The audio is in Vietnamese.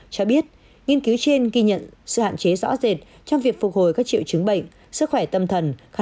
cho biết nghiên cứu trên ghi nhận sự hạn chế rõ rệt trong việc phục hồi các triệu chứng bệnh